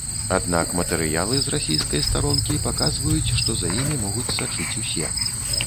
Аднак матэрыялы з расійскай старонкі паказваюць, што за імі могуць сачыць усе.